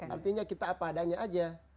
artinya kita apa adanya aja